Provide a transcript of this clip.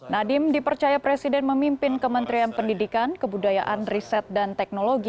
nadiem dipercaya presiden memimpin kementerian pendidikan kebudayaan riset dan teknologi